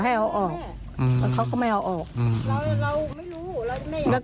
แล้วกับคนข้างบนเค้าก็วันนั้นเก็บไปคงต้นชะมวง